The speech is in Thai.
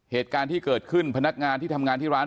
เหตุการณ์ที่เกิดขึ้นพนักงานที่ทำงานที่ร้าน